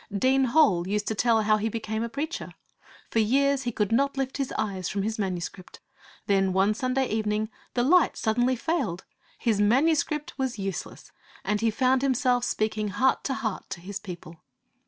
Dean Hole used to tell how he became a preacher. For years he could not lift his eyes from his manuscript. Then, one Sunday evening, the light suddenly failed. His manuscript was useless, and he found himself speaking heart to heart to his people.